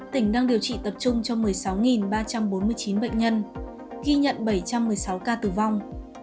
tỉnh đang điều trị tập trung cho một mươi sáu ba trăm bốn mươi chín bệnh nhân ghi nhận bảy trăm một mươi sáu ca tử vong